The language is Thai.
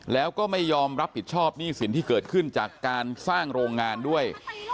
แล้วก็ไม่ยอมรับผิดชอบหนี้สินที่เกิดขึ้นจากการสร้างโรงงานด้วย